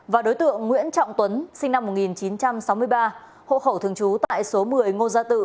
và đối tượng nguyễn trọng tuấn sinh năm một nghìn chín trăm sáu mươi ba hộ khẩu thường trú tại số một mươi ngô gia tự